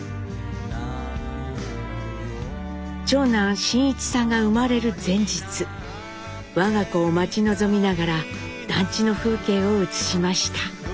長男真一さんが生まれる前日我が子を待ち望みながら団地の風景を写しました。